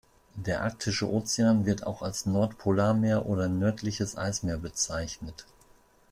Der Arktische Ozean, wird auch als Nordpolarmeer oder nördliches Eismeer bezeichnet.